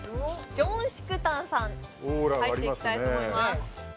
ジョンシクタンさんオーラがありますね入っていきたいと思います